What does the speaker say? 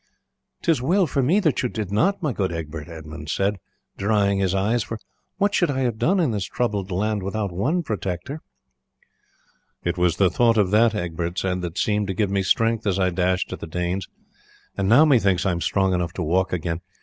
"'Tis well for me that you did not, my good Egbert," Edmund said, drying his eyes, "for what should I have done in this troubled land without one protector?" "It was the thought of that," Egbert said, "that seemed to give me strength as I dashed at the Danes. And now, methinks, I am strong enough to walk again.